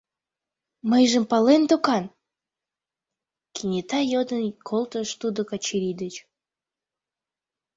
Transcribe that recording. Мыйжым палет докан? — кенета йодын колтыш тудо Качырий деч.